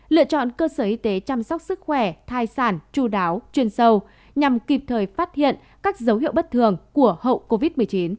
lựa chọn cơ sở y tế chăm sóc sức khỏe thai sản chú đáo chuyên sâu nhằm kịp thời phát hiện các dấu hiệu bất thường của hậu covid một mươi chín